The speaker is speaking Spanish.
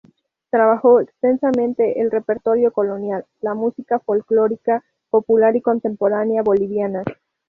Trabajó extensamente el repertorio colonial, la música folklórica, popular y contemporánea bolivianas.